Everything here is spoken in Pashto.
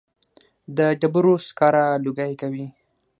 د ډبرو سکاره لوګی کوي